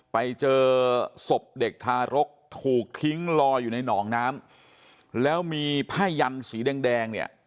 ไปเจอศพเด็กทารกถูกทิ้งลอยอยู่ในหนองน้ำแล้วมีผ้ายันสีแดงแดงเนี่ย